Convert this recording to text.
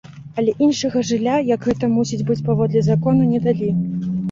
Але іншага жылля, як гэта мусіць быць паводле закону, не далі.